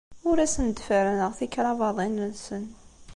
Ur asen-d-ferrneɣ tikrabaḍin-nsen.